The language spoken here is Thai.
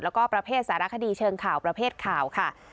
แล้วก็ประเภทสารคดีเชิงข่าวประเภทข่าวค่ะ